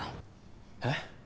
えっ？